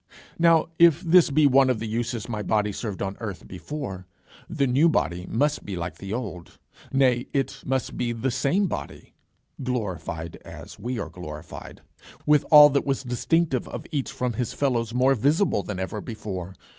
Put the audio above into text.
Now, if this be one of the uses my body served on earth before, the new body must be like the old. Nay, it must be the same body, glorified as we are glorified, with all that was distinctive of each from his fellows more visible than ever before.